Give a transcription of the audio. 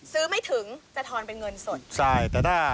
ซื้อไม่ถึงจะทอนไปเงินสด